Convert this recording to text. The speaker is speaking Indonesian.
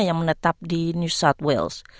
yang menetap di new south wales